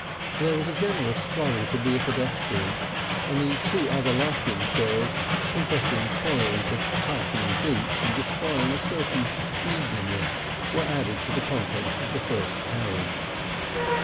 There was a generous struggle to be pedestrian, and the two other Larkins girls, confessing coyly to tight new boots and displaying a certain eagerness, were added to the contents of the first carriage.